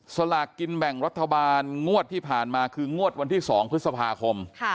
สลากกินแบ่งรัฐบาลงวดที่ผ่านมาคืองวดวันที่๒พฤษภาคม